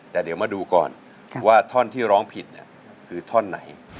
แต่เดี๋ยวมาดูก่อนว่าท่อนที่ร้องผิดคือท่อนไหน